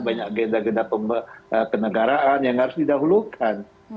banyak agenda agenda kenegaraan yang harus didahulukan